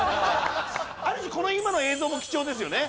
ある種この今の映像も貴重ですよね。